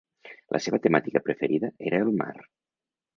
La seva temàtica preferida era el mar.